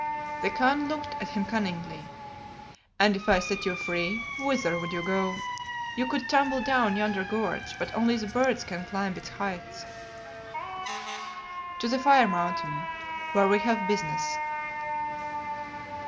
The Khan looked at him cunningly. "And if I set you free, whither would you go? You could tumble down yonder gorge, but only the birds can climb its heights." "To the Fire mountain, where we have business."